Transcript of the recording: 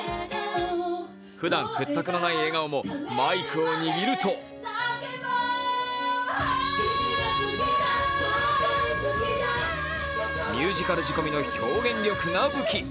ふだん屈託のない笑顔もマイクを握るとミュージカル仕込みの表現力が武器。